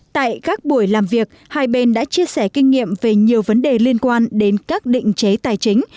tại các buổi làm việc hai bên đã chia sẻ kinh nghiệm về nhiều vấn đề liên quan đến các định chế tài chính